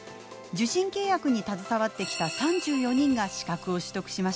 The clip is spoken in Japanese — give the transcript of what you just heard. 受信契約に携わってきた３４人が資格を取得しました。